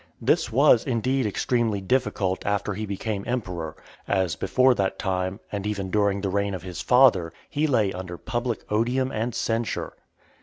This was, indeed, extremely difficult, after he became emperor, as before that time, and even during the reign of his father, he lay under public odium and censure.